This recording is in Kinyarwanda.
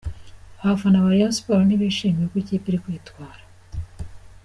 Abafana ba Rayon Sports ntibishimiye uko ikipe iri kwitwara.